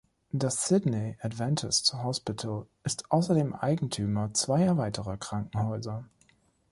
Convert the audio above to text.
Das Sydney Adventist Hospital ist außerdem Eigentümer zweier weiterer Krankenhäuser.